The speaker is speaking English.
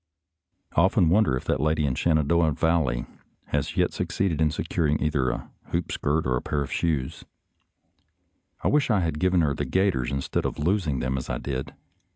I often wonder if that lady in the Shenandoah Valley has yet succeeded in securing either a hoop skirt or a pair of shoes. I wish I had given her the gaiters instead of losing them as I did.